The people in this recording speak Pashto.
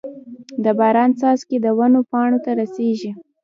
د باران څاڅکي د ونو پاڼو ته رسيږي.